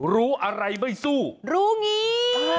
รู้อะไรไม่สู้รู้งี้